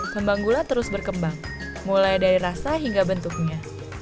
kembang gula terus berkembang mulai dari rasa hingga bentuknya